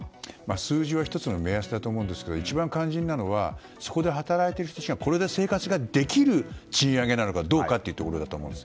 数字は１つの目安だと思うんですが一番肝心なのはそこで働いている人たちがこれで生活ができるという賃上げなのかどうかだと思います。